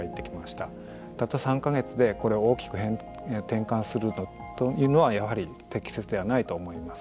たった３か月でこれを大きく転換するというのはやはり適切ではないと思います。